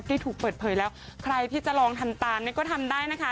ที่ถูกเปิดเผยแล้วใครที่จะลองทำตามเนี่ยก็ทำได้นะคะ